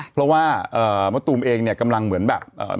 เพราะว่ามะตุ๋มเองกำลังเหมือนแบบ